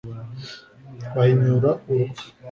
bahinyura urupfu